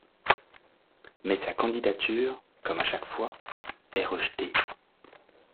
Mais sa candidature, comme à chaque fois, est rejetée.